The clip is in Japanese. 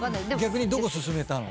逆にどこ薦めたの？